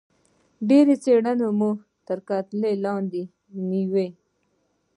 ډېره څېړنه مو تر کتلو لاندې ونیوه.